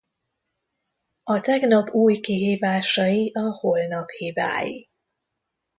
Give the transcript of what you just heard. A tegnap új kihívásai a holnap hibái.